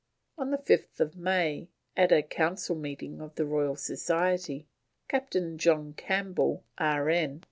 On 5th May, at a Council Meeting of the Royal Society, Captain John Campbell, R.N.